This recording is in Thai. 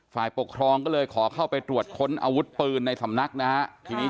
ฝ่ายปกครองก็เลยขอเข้าไปตรวจค้นอาวุธตูปืนทั้งสำนักนะครับ